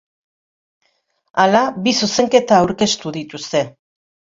Hala, bi zuzenketa aurkeztu dituzte.